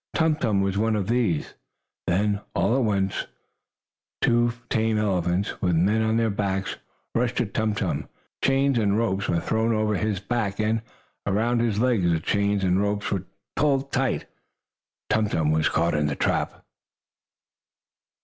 Tum Tum was one of these. Then, all at once two tame elephants, with men on their backs, rushed at Tum Tum. Chains and ropes were thrown over his back, and around his legs. The chains and ropes were pulled tight. Tum Tum was caught in the trap.